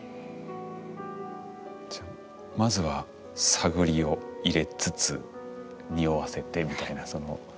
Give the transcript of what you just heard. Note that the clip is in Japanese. じゃあまずは探りを入れつつ匂わせてみたいなその。